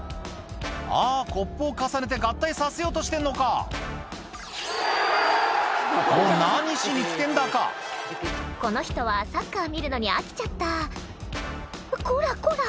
あぁコップを重ねて合体させようとしてんのかもう何しに来てんだかこの人はサッカー見るのに飽きちゃったこらこら！